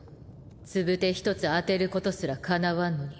つぶて１つ当てることすらかなわんのに。